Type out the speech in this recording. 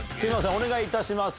お願いいたします。